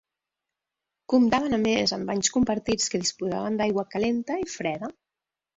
Comptaven, a més, amb banys compartits que disposaven d'aigua calenta i freda.